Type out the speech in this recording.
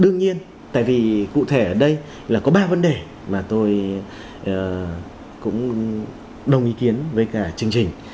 đương nhiên tại vì cụ thể ở đây là có ba vấn đề mà tôi cũng đồng ý kiến với cả chương trình